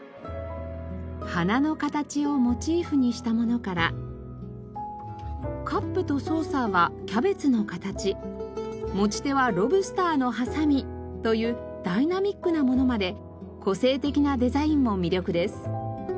花の形をモチーフにしたものからカップとソーサーはキャベツの形持ち手はロブスターのハサミというダイナミックなものまで個性的なデザインも魅力です。